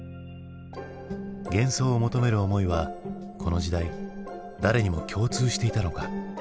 幻想を求める思いはこの時代誰にも共通していたのか？